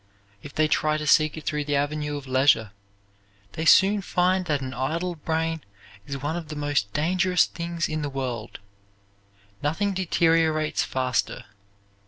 If they try to seek it through the avenue of leisure they soon find that an idle brain is one of the most dangerous things in the world nothing deteriorates faster.